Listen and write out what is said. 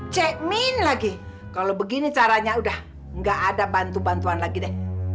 cek min lagi kalau begini caranya udah gak ada bantu bantuan lagi deh